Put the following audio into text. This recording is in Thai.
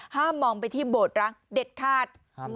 ห้ามมองไปที่โบบร้างเด็ดขาด